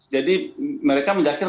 jadi mereka menjelaskan